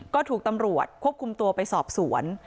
ก็ถูกตำรวจควบคุมตัวไปสอบสวน